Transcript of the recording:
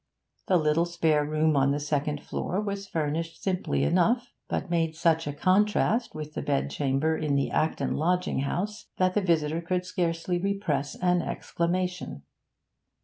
The little spare room on the second floor was furnished simply enough, but made such a contrast with the bedchamber in the Acton lodging house that the visitor could scarcely repress an exclamation.